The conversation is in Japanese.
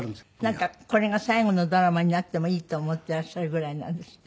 なんかこれが最後のドラマになってもいいと思ってらっしゃるぐらいなんですって？